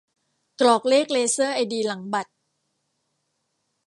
กรอกเลขเลเซอร์ไอดีหลังบัตร